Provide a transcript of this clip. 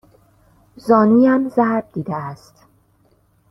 زانویم ضرب دیده است.